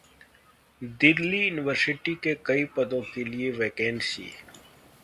Delhi university में कई पदों के लिए वैकेंसी